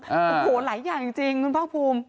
โอ้โหหลายอย่างจริงคุณภาคภูมิ